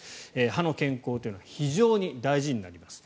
歯の健康というのは非常に大事になります。